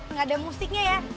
nggak ada musiknya ya